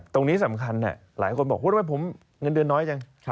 ตรงนี้สำคัญหลายคนบอกผมเงินเดือนน้อยจัง